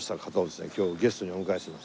今日ゲストにお迎えしてます。